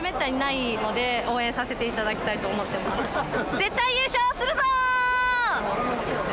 絶対優勝するぞ！